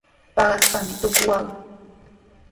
Paqaspami tuku waqan.